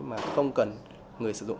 mà không cần người sử dụng